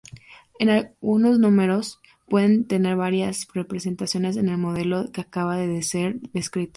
Algunos números pueden tener varias representaciones en el modelo que acaba de ser descrito.